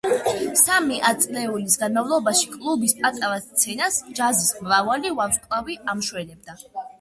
სამი ათწლეულის განმავლობაში კლუბის პატარა სცენას ჯაზის მრავალი ვარსკვლავი ამშვენებდა.